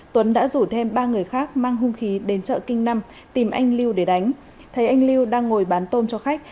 tuấn đã rủ thêm ba người khác mang hung khí đến chợ kinh năm tìm anh lưu để đánh thấy anh lưu đang ngồi bán tôm cho khách